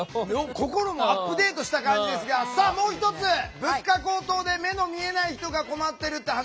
心もアップデートした感じですがもう１つ、物価高騰で目の見えない人が困っているという話。